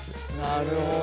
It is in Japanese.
なるほど。